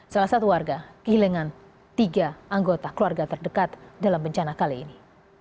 salah satu warga kehilangan tiga anggota keluarga terdekat dalam bencana kali ini